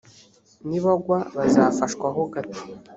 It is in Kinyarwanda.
nibagwa bazafashwa ho gato